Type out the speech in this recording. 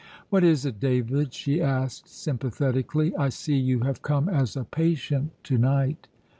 "What is it, David?" she asked sympathetically. "I see you have come as a patient to night."